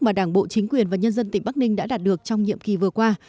mà đảng bộ chính quyền và nhân dân tỉnh bắc ninh đã đạt được trong nhiệm kỳ vừa qua